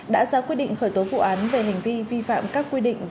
đã ra quyết định khởi tố vụ án về hành vi vi phạm các quy định